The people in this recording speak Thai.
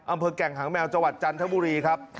อำเภอแก่งหางแมวจวัดจันทบุรีครับ